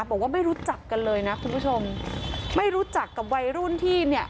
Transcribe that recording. บอกว่าไม่รู้จักกันเลยนะคุณผู้ชมไม่รู้จักกับวัยรุ่นที่เนี่ย